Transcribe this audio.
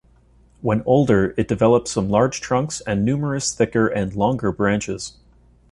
When older, it develops some large trunks and numerous thicker and longer branches.